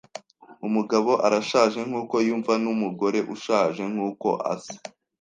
Umugabo arashaje nkuko yumva numugore ushaje nkuko asa.